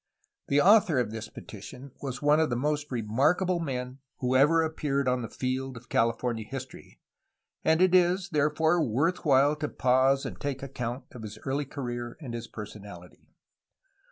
The author of this petition was one of the most remarkable men who ever appeared on the field of California history, and it is therefore worth while to pause and take account of his early career and his personality.